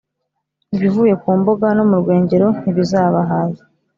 Ibivuye ku mbuga no mu rwengero ntibizabahaza,